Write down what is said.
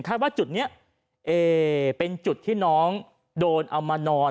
ถ้าว่าจุดนี้เป็นจุดที่น้องโดนเอามานอน